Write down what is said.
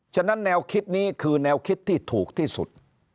ฉะนั้นแนวคิดนี้คือแนวคิดที่ถูกที่สุด